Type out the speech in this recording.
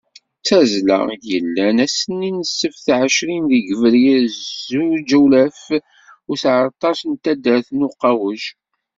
D tazzla, i d-yellan ass-nni n ssebt εecrin deg yebrir zuǧ alaf u seεṭac, eg taddart n Uqaweǧ.